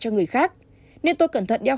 cho người khác nên tôi cẩn thận đeo